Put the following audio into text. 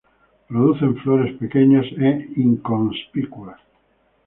Producen flores pequeñas e inconspicuas.